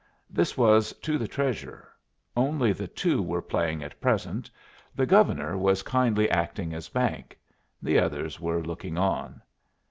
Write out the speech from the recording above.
This was to the Treasurer. Only the two were playing at present. The Governor was kindly acting as bank; the others were looking on.